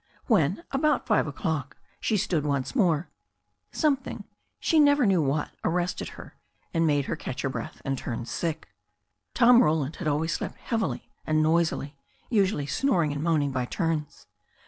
When, about five o'clock, she stood once more, something, she never knew what, arrested her, and made her catch her breath and turn sick. Tom Roland had always slept heavily and noisily, usually snoring and moaning by turns.